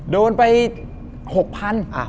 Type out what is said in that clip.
โดนไป๖๐๐๐บาท